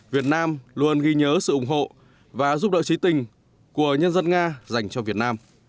việt nam luôn ghi nhớ sự ủng hộ và giúp đỡ trí tình của nhân dân nga dành cho việt nam